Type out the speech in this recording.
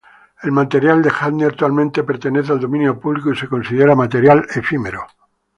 El material de Handy actualmente pertenece al dominio público y se considera material efímero.